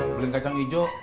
beliin kacang hijau